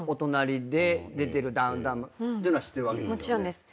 もちろんです。